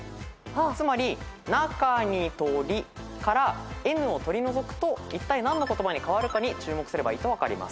つまり「ＮＡＫＡＮＩＴＯＲＩ」からＮを取り除くといったい何の言葉に変わるかに注目すればいいと分かります。